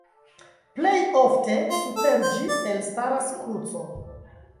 Plej ofte super ĝi elstaras kruco.